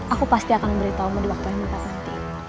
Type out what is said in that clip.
aku pasti akan memberitahu kamu di waktu yang akan datang